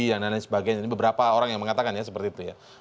dan lain sebagainya ini beberapa orang yang mengatakan ya seperti itu